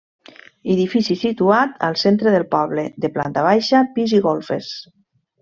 Edifici situat al centre del poble, de planta baixa, pis i golfes.